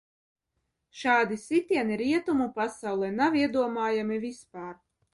Šādi sitieni Rietumu pasaulē nav iedomājami vispār!